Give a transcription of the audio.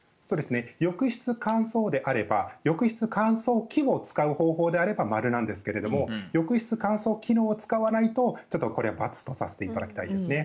浴室乾燥であれば浴室乾燥機を使う方法であれば〇なんですが浴室乾燥機能を使わないとこれは×とさせていただきたいですね。